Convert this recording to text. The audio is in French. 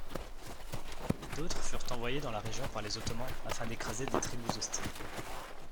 D'autres furent envoyés dans la région par les Ottomans afin d'écraser des tribus hostiles.